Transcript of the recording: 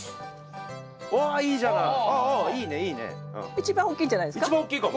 一番大きいんじゃないですか。